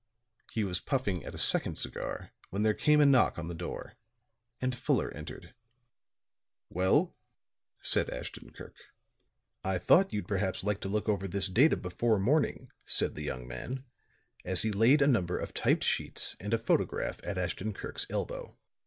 He was puffing at a second cigar when there came a knock on the door, and Fuller entered. "Well?" said Ashton Kirk. "I thought you'd perhaps like to look over this data before morning," said the young man, as he laid a number of typed sheets and a photograph at Ashton Kirk's elbow.